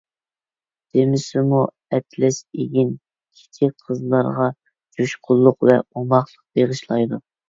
دېمىسىمۇ، ئەتلەس ئېگىن كىچىك قىزلارغا جۇشقۇنلۇق ۋە ئوماقلىق بېغىشلايدۇ.